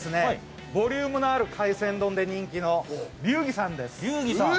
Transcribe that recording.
ボリュームのある海鮮丼で人気の龍儀さんです。